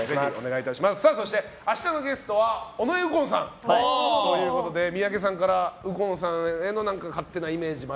そして明日のゲストは尾上右近さんということで三宅さんから右近さんへの勝手なイメージ。